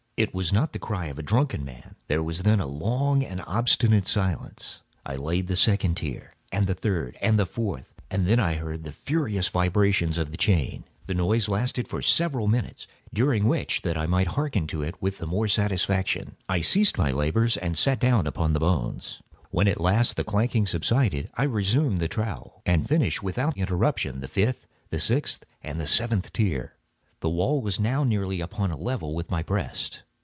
It was not the cry of a drunken man. There was then a long and obstinate silence. I laid the second tier, and the third, and the fourth; and then I heard the furious vibrations of the chain. The noise lasted for several minutes, during which, that I might hearken to it with the more satisfaction, I ceased my labors and sat down upon the bones. When at last the clanking subsided, I resumed the trowel, and finished without interruption the fifth, the sixth, and the seventh tier. The wall was now nearly upon a level with my breast.